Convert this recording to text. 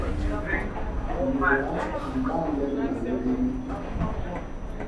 Mudaa a mbañle me malép ma nyo.